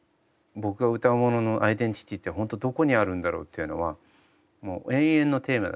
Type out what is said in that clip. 僕が歌うもののアイデンティティーってホントどこにあるんだろうっていうのはもう永遠のテーマだし。